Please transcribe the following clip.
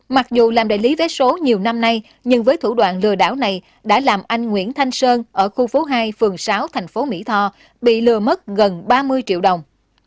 mặc dù làm đại lý vé số nhiều năm nay nhưng với thủ đoạn lừa đảo này đã làm anh nguyễn thanh sơn ở khu phố hai phường sáu thành phố mỹ tho bị lừa mất gần ba mươi triệu đồng